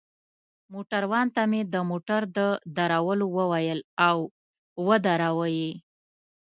موټروان ته مې د موټر د درولو وویل، او ودروه يې.